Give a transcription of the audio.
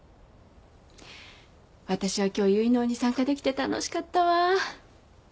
私は今日結納に参加できて楽しかったわ。